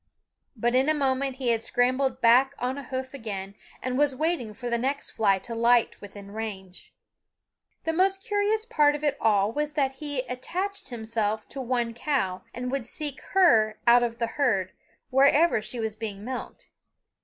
But in a moment he had scrambled back on a hoof again and was waiting for the next fly to light within range. The most curious part of it all was that he attached himself to one cow, and would seek her out of the herd wherever she was being milked.